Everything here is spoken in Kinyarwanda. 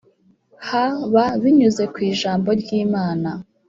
Hb binyuze ku ijambo ry Imana